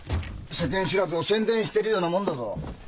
世間知らずを宣伝してるようなもんだぞ。